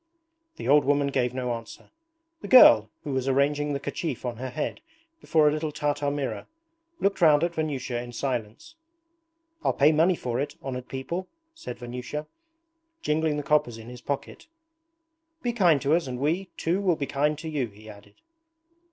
The old woman gave no answer. The girl, who was arranging the kerchief on her head before a little Tartar mirror, looked round at Vanyusha in silence. 'I'll pay money for it, honoured people,' said Vanyusha, jingling the coppers in his pocket. 'Be kind to us and we, too will be kind to you,' he added.